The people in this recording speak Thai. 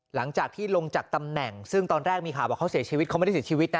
หลังจากที่ลงจากตำแหน่งซึ่งตอนแรกมีข่าวว่าเขาเสียชีวิตเขาไม่ได้เสียชีวิตนะ